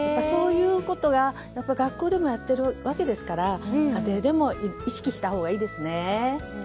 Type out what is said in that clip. そういうことが学校でもやっているわけですから家庭でも意識したほうがいいですね。